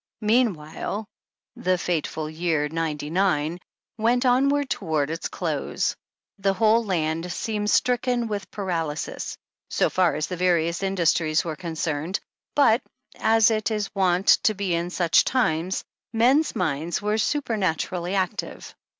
Meanwhile the Fateful year '99 " went onward toward its close. The whole land seemed stricken with paralysis, so far as the various industries were concerned, but, as it is wont to be in such times, men's minds were supernaturally active.